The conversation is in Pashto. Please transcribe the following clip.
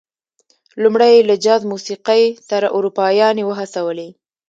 لومړی یې له جاز موسيقۍ سره اروپايانې وهڅولې.